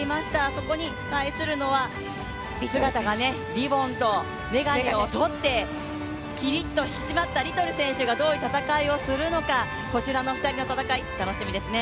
そこに対するのはリボンと眼鏡を取って、キリッと引き締まったリトル選手がどういう戦いをするのか、こちらの２人の戦い、楽しみですね。